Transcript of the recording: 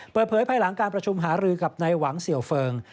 ภายหลังการประชุมหารือกับนายหวังเสี่ยวเฟิร์ง